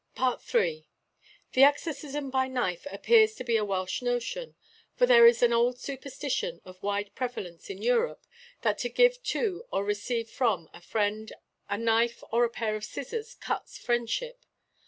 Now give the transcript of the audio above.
III. The exorcism by knife appears to be a Welsh notion; though there is an old superstition of wide prevalence in Europe that to give to or receive from a friend a knife or a pair of scissors cuts friendship.